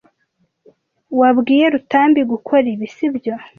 Wabwiye Rutambi gukora ibi, sibyo?